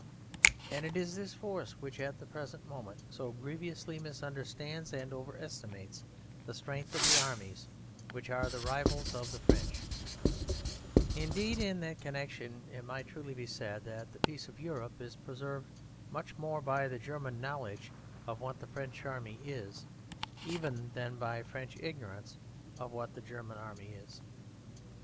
And it is this force which at the present moment so grievously misunderstands and overestimates the strength of the armies which are the rivals of the French; indeed, in that connexion it might truly be said that the peace of Europe is preserved much more by the German knowledge of what the French army is, even than by French ignorance of what the German army is.